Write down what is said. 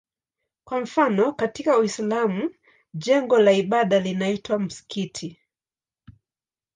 Kwa mfano katika Uislamu jengo la ibada linaitwa msikiti.